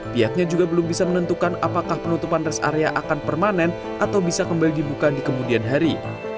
pihaknya juga belum bisa menentukan apakah penutupan res area akan permanen atau bisa kembali dibuka di kemudian hari